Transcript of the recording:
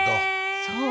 そう。